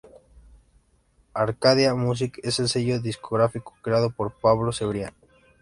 Arcadia Music es el sello discográfico creado por Pablo Cebrián.